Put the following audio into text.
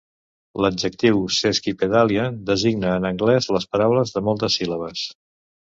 L'adjectiu "sesquipedalian" designa en anglès les paraules de moltes síl·labes.